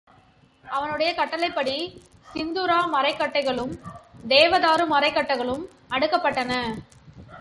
அவனுடைய கட்டளைப்படி சிந்தூர மரக்கட்டைகளும், தேவதாரு மரக்கட்டைகளும் அடுக்கப்பட்டன.